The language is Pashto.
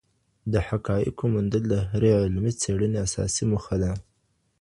د حقایقو موندل د هرې علمي څېړني اساسي موخه ده.